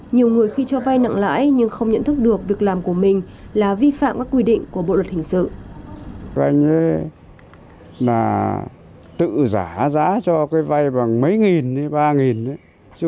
nhiều người khi cho vai nặng lãi nhưng không nhận thức được việc làm của mình là vi phạm các quy định của bộ luật hình sự